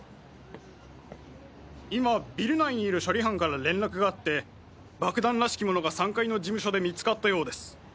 今ビル内にいる処理班から連絡があって爆弾らしきものが３階の事務所で見つかったようです。